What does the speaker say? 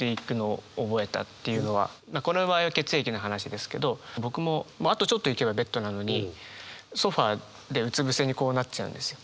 これは血液の話ですけど僕もあとちょっと行けばベッドなのにソファーでうつ伏せになっちゃうんですよ。